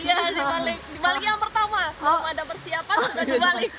ya dibalik dibalik yang pertama kalau ada persiapan sudah dibalik